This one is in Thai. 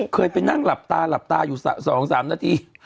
เคยไปนั่งหลับตาหลับตาอยู่๒๓นาที